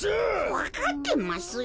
わかってますよ。